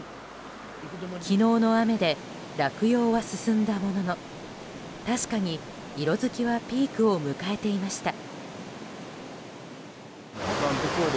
昨日の雨で落葉は進んだものの確かに、色づきはピークを迎えていました。